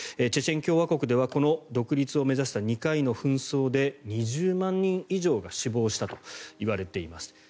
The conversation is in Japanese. チェチェン共和国ではこの独立を目指した２回の紛争で２０万人以上が死亡したといわれています。